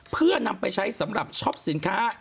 เพื่อนำไปใช้สำหรับช็อปสินค้า